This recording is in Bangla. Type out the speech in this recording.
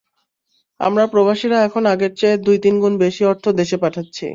আমরা প্রবাসীরা এখন আগের চেয়ে দুই-তিন গুণ বেশি অর্থ দেশে পাঠাচ্ছি।